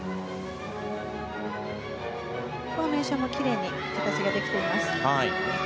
フォーメーションもきれいに形ができています。